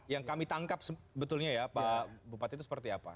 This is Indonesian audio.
yang kami tangkap sebetulnya ya pak bupati itu seperti apa